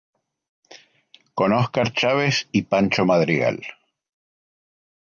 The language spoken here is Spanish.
Con Óscar Chávez y Pancho Madrigal.